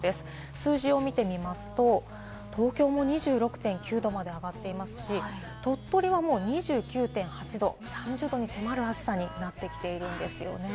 数字を見てみますと、東京も２６．９度まで上がっていますし、鳥取はもう２９．８度、３０度に迫る暑さになってきているんですよね。